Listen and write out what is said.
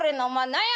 何や！？」。